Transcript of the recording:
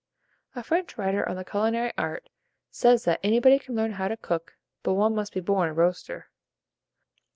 A French writer on the culinary art says that anybody can learn how to cook, but one must be born a roaster.